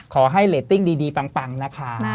ขอให้เรตติ้งดีปังนะคะ